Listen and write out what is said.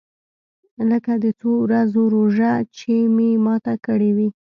لکه د څو ورځو روژه چې مې ماته کړې وي.